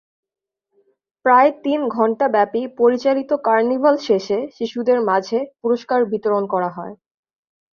প্রায় তিন ঘণ্টাব্যাপী পরিচালিত কার্নিভাল শেষে শিশুদের মাঝে পুরস্কার বিতরণ করা হয়।